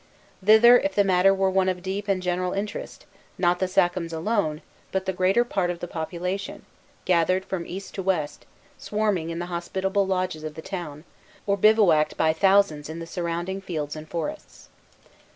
Thither, if the matter were one of deep and general interest, not the sachems alone, but the greater part of the population, gathered from east and west, swarming in the hospitable lodges of the town, or bivouacked by thousands in the surrounding fields and forests.